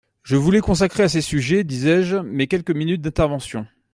Je voulais consacrer à ces sujets, disais-je, mes quelques minutes d’intervention.